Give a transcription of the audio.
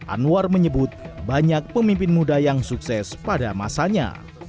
anwar menyebut banyak pemimpin muda yang sukses pada masanya